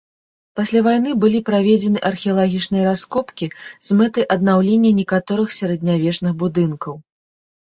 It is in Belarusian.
Пасля вайны былі праведзены археалагічныя раскопкі з мэтай аднаўлення некаторых сярэднявечных будынкаў.